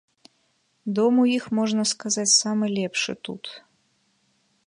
Дом у іх, можна сказаць, самы лепшы тут.